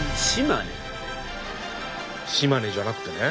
島根じゃなくてね？